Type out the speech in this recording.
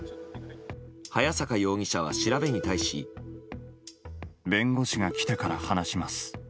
早坂容疑者は、調べに対し。弁護士が来てから話します。